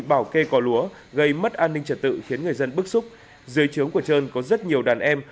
bảo kê có lúa gây mất an ninh trật tự khiến người dân bức xúc dưới trướng của trơn có rất nhiều đàn em